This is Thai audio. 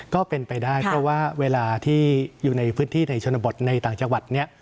ก็เป็นไปได้เพราะว่าเวลาที่อยู่ในพื้นที่ในชนบทในต่างจังหวัดเนี่ย